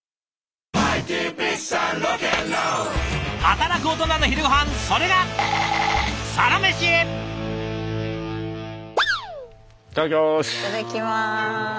働くオトナの昼ごはんそれがいただきます！